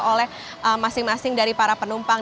jadi ini juga bisa dibawa oleh masing masing dari para penumpang